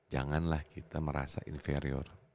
janganlah kita merasa inferior